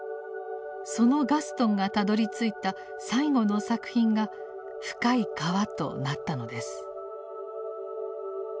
そのガストンがたどりついた最後の作品が「深い河」となったのです。